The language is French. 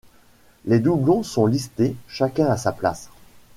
Les doublons sont listés chacun à sa place.